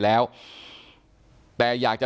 ขอบคุณมากครับขอบคุณมากครับ